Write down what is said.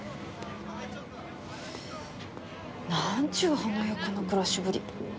なんちゅう華やかな暮らしぶり。